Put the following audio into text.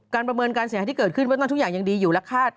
ประเมินการเสียหายที่เกิดขึ้นว่าทุกอย่างยังดีอยู่และคาด